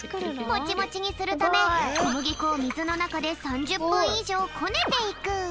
モチモチにするためこむぎこをみずのなかで３０ぷんいじょうこねていく。